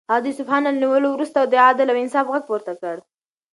هغه د اصفهان له نیولو وروسته د عدل او انصاف غږ پورته کړ.